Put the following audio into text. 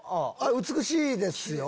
美しいですよ。